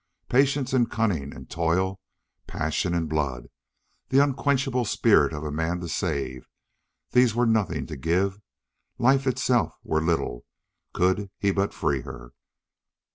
Patience and cunning and toil, passion and blood, the unquenchable spirit of a man to save these were nothing to give life itself were little, could he but free her.